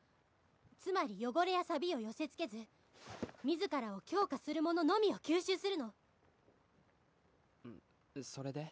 つまり汚れやサビを寄せつけず自らを強化するもののみを吸収するのうんそれで？